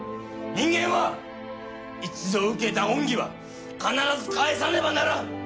人間は一度受けた恩義は必ず返さねばならん。